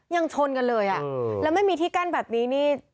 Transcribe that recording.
ชนกันเลยอ่ะแล้วไม่มีที่กั้นแบบนี้นี่